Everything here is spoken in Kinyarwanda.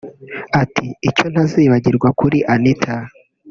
Ati “Icyo ntazibagirwa kuri Anita